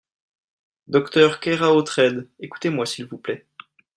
Docteur Keraotred, écoutez-moi s'il vous plait.